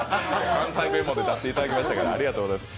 関西弁まで出していただきましたが、ありがとうございます。